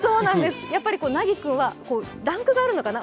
やっぱりなぎくんはランクがあるのかな、